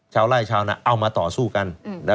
ชาวไล่ชาวนาเอามาต่อสู้กัน